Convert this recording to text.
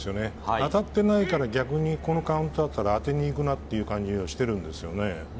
当たっていないから、このカウントだったら当てに行くなっていう感じがしているんですよね。